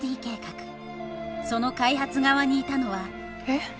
その開発側にいたのはえ？